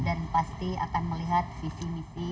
dan pasti akan melihat visi misi